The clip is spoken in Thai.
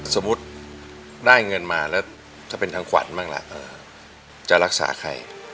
สมมติได้เงินมาแล้วถ้าเป็นทั้งขวัญก็รักษาใคร